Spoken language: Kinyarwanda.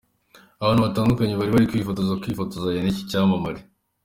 Abantu batandukanye bari bakifuza kwifotozanya n’iki cyamamare.